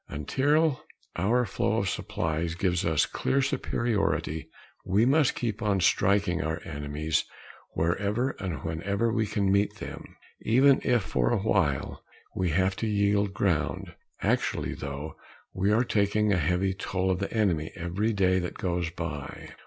Until our flow of supplies gives us clear superiority we must keep on striking our enemies wherever and whenever we can meet them, even if, for a while, we have to yield ground. Actually, though, we are taking a heavy toll of the enemy every day that goes by.